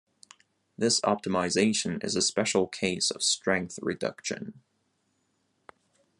This optimization is a special case of strength reduction.